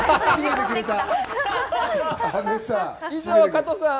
加藤さん。